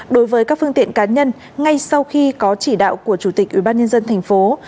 đối với các phương tiện cá nhân ngay sau khi có chỉ đạo của chủ tịch ubnd tp